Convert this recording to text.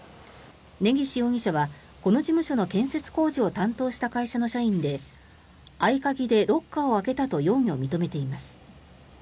根岸容疑者はこの事務所の建設工事を担当した会社の社員で合鍵でロッカーを開けたと容疑を認めています。